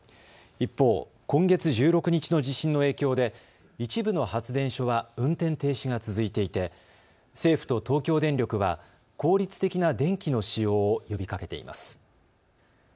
一方、今月１６日の地震の影響で一部の発電所は運転停止が続いていて政府と東京電力は効率的な電気の使用を呼びかけています。